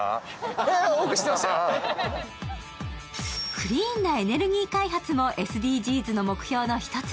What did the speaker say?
クリーンなエネルギー開発もＳＤＧｓの目標の一つ。